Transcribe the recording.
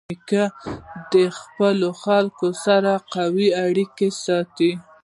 نیکه د خپلو خلکو سره یوه قوي اړیکه ساتي.